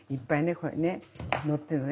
これね載ってるのね。